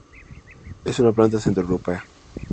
Es una planta centroeuropea.